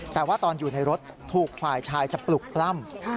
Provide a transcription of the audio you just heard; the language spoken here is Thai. แต่ว่าตอนอยู่ในรถถูกฝ่ายชายจะปลุกปล้ำ